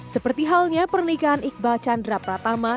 seperti halnya pernikahan iqbal chandra pratama